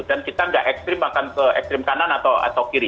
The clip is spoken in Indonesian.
dan kita nggak ekstrim akan ke ekstrim kanan atau kiri